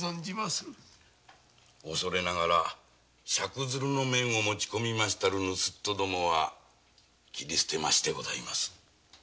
赤鶴の面を持ち込みましたるぬすっとどもは既に切り捨てましてございます。